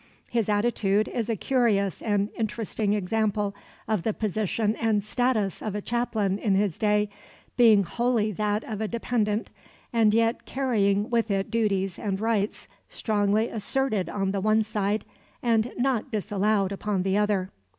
His attitude is a curious and interesting example of the position and status of a chaplain in his day, being wholly that of a dependant, and yet carrying with it duties and rights strongly asserted on the one side and not disallowed upon the other.